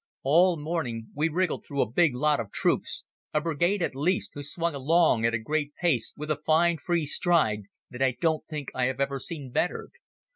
All morning we wriggled through a big lot of troops, a brigade at least, who swung along at a great pace with a fine free stride that I don't think I have ever seen bettered.